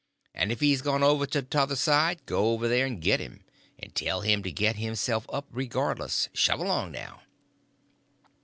And if he's gone over to t'other side, go over there and git him. And tell him to git himself up regardless. Shove along, now."